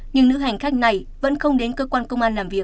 nhưng nữ hành khách này vẫn không đến cơ quan công an làm việc